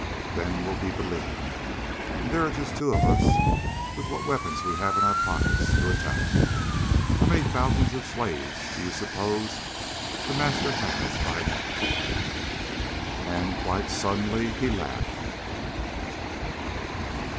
Then we'll be believed. And there are just two of us, with what weapons we have in our pockets, to attack. How many thousands of slaves do you suppose The Master has by now?" And, quite suddenly, he laughed.